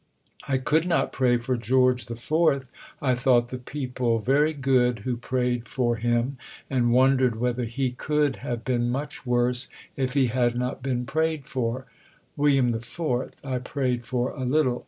I could not pray for George IV. I thought the people very good who prayed for him, and wondered whether he could have been much worse if he had not been prayed for. William IV. I prayed for a little.